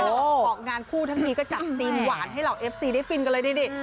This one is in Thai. แล้วออกงานคู่ทั้งทีก็จัดซีนหวานให้เหล่าเอฟซีได้ฟินกันเลยดี